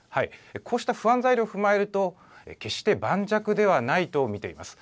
こうした不安材料を踏まえると決して盤石ではないと見ています。